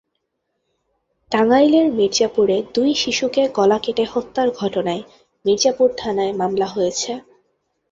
টাঙ্গাইলের মির্জাপুরে দুই শিশুকে গলা কেটে হত্যার ঘটনায় মির্জাপুর থানায় মামলা হয়েছে।